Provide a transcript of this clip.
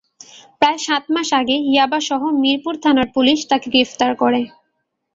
প্রায় সাত মাস আগে ইয়াবাসহ মিরপুর থানার পুলিশ তাঁকে গ্রেপ্তার করে।